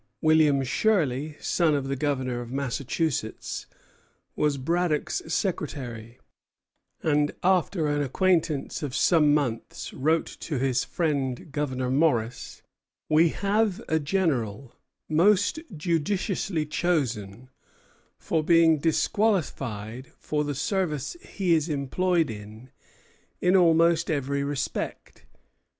William Shirley, son of the Governor of Massachusetts, was Braddock's secretary; and after an acquaintance of some months wrote to his friend Governor Morris: "We have a general most judiciously chosen for being disqualified for the service he is employed in in almost every respect.